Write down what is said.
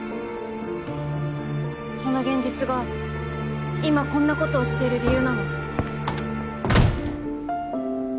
その現実が今こんなことをしてる理由なの？